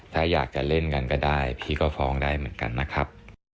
ถ้าอยากจะเล่นกันก็ได้พี่ก็ฟ้องได้เหมือนกันนะครับ